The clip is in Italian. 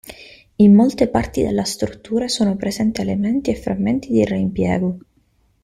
In molte parti della struttura sono presenti elementi e frammenti di reimpiego.